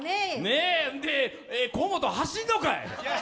河本、走んのかい！